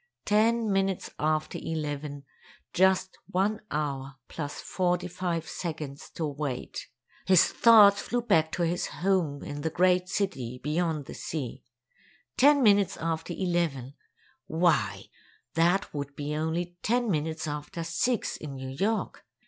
Ten minutes after eleven—just one hour plus forty five seconds to wait! His thoughts flew back to his home in the great city beyond the sea. Ten minutes after eleven—why that would be only ten minutes after six in New York!